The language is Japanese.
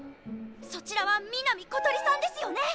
そちらは南ことりさんですよね？